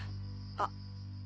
あっ！